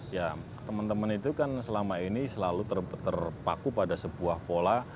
ya teman teman itu kan selama ini selalu terpaku pada sebuah pola